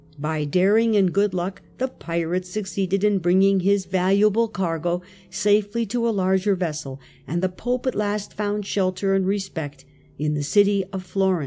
By daring and good luck the pirate succeeded in bringing his valuable cargo safely to a larger vessel, and the Pope at last found shelter and respect in the city of Florence.